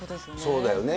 そうだよね。